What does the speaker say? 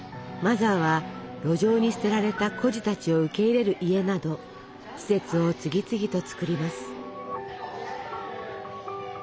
マザーは路上に捨てられた孤児たちを受け入れる家など施設を次々とつくります。